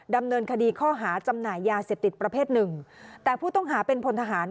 ดำเนินคดีข้อหาจำหน่ายยาเสพติดประเภทหนึ่งแต่ผู้ต้องหาเป็นพลทหาร